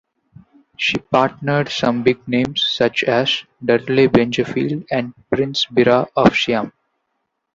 She partnered some big names, such as Dudley Benjafield and Prince Bira of Siam.